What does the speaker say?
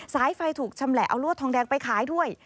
สายไฟถูกชำแหละเอารวดทองแดงไปขายด้วย